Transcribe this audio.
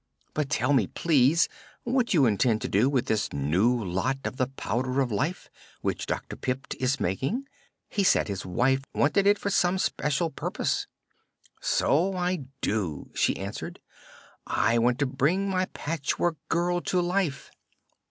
"But tell me, please, what you intend to do with this new lot of the Powder of Life, which Dr. Pipt is making. He said his wife wanted it for some especial purpose." "So I do," she answered. "I want it to bring my Patchwork Girl to life."